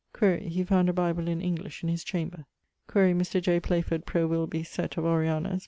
] Quaere he found a bible in English, in his chamber. [XIX.] Quaere Mr. J. Playford pro Wilby's sett of Oriana's.